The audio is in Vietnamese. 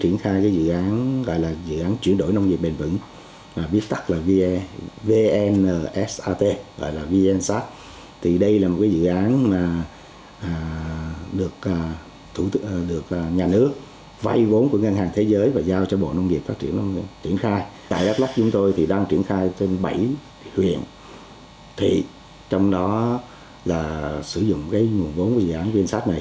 nó là sử dụng nguồn vốn của dự án quyên sát này